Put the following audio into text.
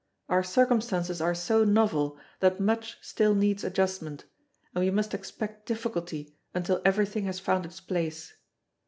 Our circumstances are so novel that much still needs adjustment, and we must expect difficulty until everything has found its place.